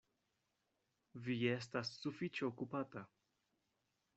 Vi estas sufiĉe okupata.